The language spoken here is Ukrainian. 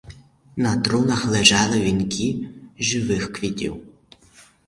На трунах лежали вінки з живих квітів.